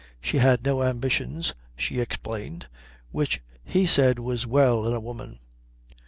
She had no ambitions, she explained, which he said was well in a woman.